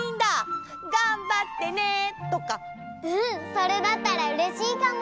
それだったらうれしいかも！